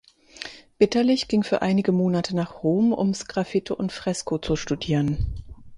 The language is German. Bitterlich ging für einige Monate nach Rom, um Sgraffito und Fresko zu studieren.